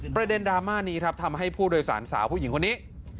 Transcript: ประเด็นดราม่านี้ครับทำให้ผู้โดยสารสาวผู้หญิงคนนี้